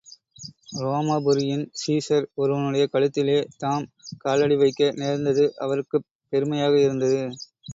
ரோமாபுரியின் Caesar ஒருவனுடைய கழுத்திலே தாம் காலடிவைக்க நேர்ந்தது, அவருக்குப் பெருமையாக இருந்தது.